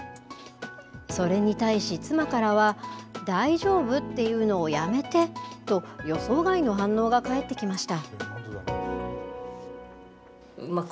それに対し、妻からは、大丈夫って言うのやめて！と、予想外の反応が返ってきました。